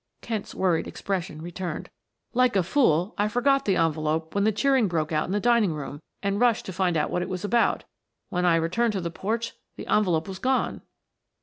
Kent's worried expression returned. "Like a fool I forgot the envelope when that cheering broke out in the dining room and rushed to find out what it was about; when I returned to the porch the envelope was gone.